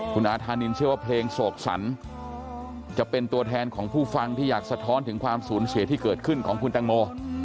คุณอาธานินเชื่อว่าเพลงโศกสรรจะเป็นตัวแทนของผู้ฟังที่อยากสะท้อนถึงความสูญเสียที่เกิดขึ้นของคุณแตงโม